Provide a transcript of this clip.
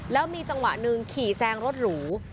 แล้วมีจังหวะหนึ่งขี่แซงรถหรู